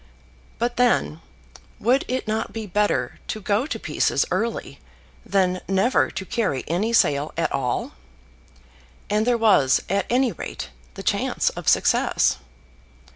But then, would it not be better to go to pieces early than never to carry any sail at all? And there was, at any rate, the chance of success.